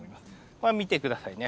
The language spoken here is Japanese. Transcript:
これ見て下さいね。